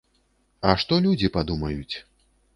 А што людзі падумаюць?!